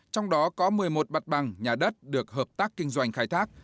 trong đó có một mươi một mặt bằng nhà đất được hợp tác kinh doanh khai thác